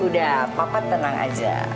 udah papa tenang aja